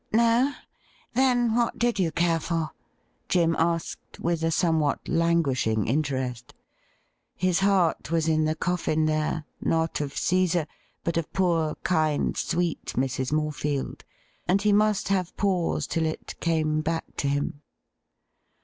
' No ? Then, what did you care for .?' Jim asked, with a somewhat languishing interest. His heart was in the coffin there — not of Caesar, but of poor, kind, sweet JMrs. Morefield, and he must have pause till it came back to him.